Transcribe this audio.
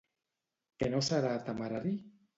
Què no serà temerari?